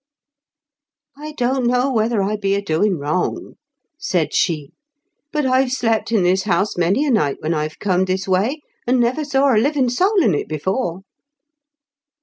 " I don't know whether I be a doin' wrong," said she, " but I've slept in this house many a night when I've corned this way, and never saw a livin' soul in it before."